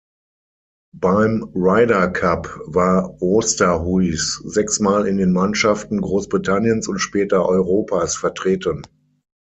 Beim Ryder Cup war Oosterhuis sechsmal in den Mannschaften Großbritanniens und später Europas vertreten.